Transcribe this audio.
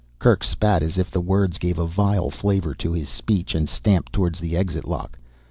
Kerk spat, as if the words gave a vile flavor to his speech, and stamped towards the exit lock.